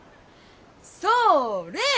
それ！